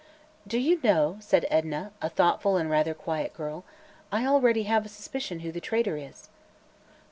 "Do you know," said Edna, a thoughtful and rather quiet girl, "I already have a suspicion who the traitor is."